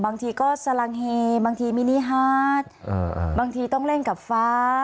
บางทีก็สลังเฮบางทีมินิฮาร์ดบางทีต้องเล่นกับฟ้า